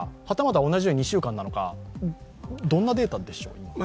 はたまた同じように２週間なのかどんなデータでしょう？